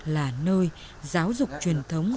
là nơi giáo dục truyền thống